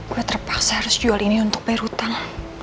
gue terpaksa harus jual ini untuk bayar hutang